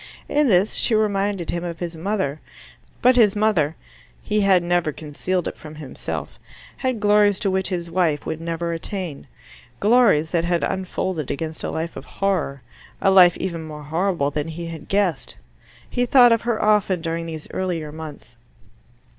In this she reminded him of his mother. But his mother he had never concealed it from himself had glories to which his wife would never attain: glories that had unfolded against a life of horror a life even more horrible than he had guessed. He thought of her often during these earlier months.